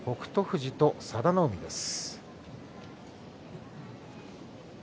富士と佐田の海です。